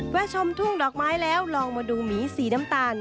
ชมทุ่งดอกไม้แล้วลองมาดูหมีสีน้ำตาล